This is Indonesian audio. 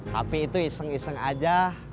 tapi itu iseng iseng aja